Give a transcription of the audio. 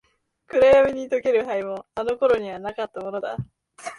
暗闇に溶ける灰も、あの頃にはなかったものだ。